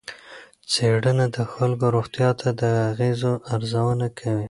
څېړنه د خلکو روغتیا ته د اغېزو ارزونه کوي.